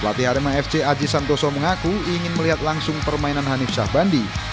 pelatih arima fc aji santoso mengaku ingin melihat langsung permainan hanif shah bandi